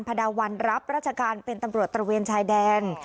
ดาวันรับราชการเป็นตำรวจตระเวนชายแดน